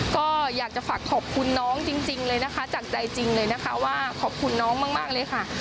ก็อยากจะฝากขอบคุณน้องจริงเลยนะคะจากใจจริงเลยนะคะว่าขอบคุณน้องมากเลยค่ะ